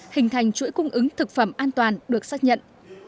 hình thành chuỗi cung ứng thực phẩm an toàn được xác nhận